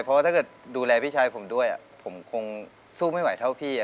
เพราะถ้าดูัรายพี่ชายผมด้วยผมคงสู้ไม่ไหวเท่าพี่